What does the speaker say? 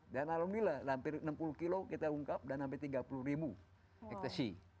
dan alhamdulillah hampir enam puluh kilo kita ungkap dan hampir tiga puluh ribu ekstasi